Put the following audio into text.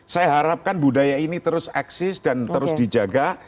saya harapkan budaya ini terus eksis dan terus dijaga